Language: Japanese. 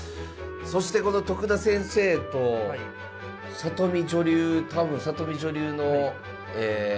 そしてこの徳田先生と里見女流多分里見女流のえ